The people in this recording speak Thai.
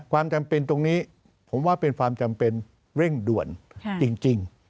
ความจำเป็นตรงนี้ผมว่าเป็นความจำเป็นเร่งด่วนจริง